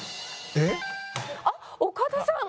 あっ岡田さん。